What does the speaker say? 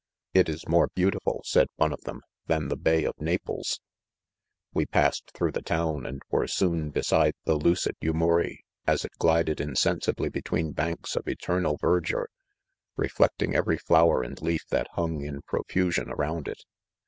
" It is more beautiful/ 5 said one of them, "than the Bay of Naples," We passed through the town, and were soon beside the lucid Yumuri, as it glided insensi bly between banks of eternal verdure, reflect ing every flower and leaf that hung in profusion around it.